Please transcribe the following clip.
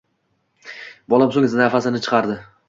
Bolam so`nggi nafasini chiqardi